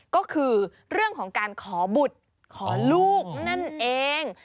ก็คือเรื่องของการขอบุตรขอลูกนั่นเอง